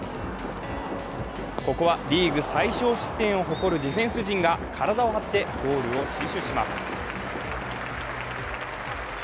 ここはリーグ最少失点を誇るディフェンス陣が体を張ってゴールを死守します。